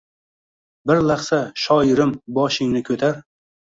Bir lahza, shoirim, boshingni ko’tar